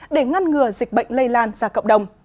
để ngăn ngừa dịch bệnh lây lan ra cộng đồng